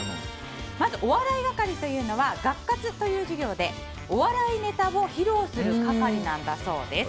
まず、お笑い係というのは学活という授業でお笑いネタを披露する係りなんだそうです。